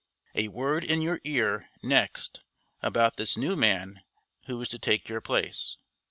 A word in your ear, next, about this new man who is to take your place.